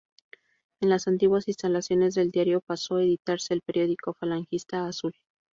En las antiguas instalaciones del diario pasó a editarse el periódico falangista "Azul".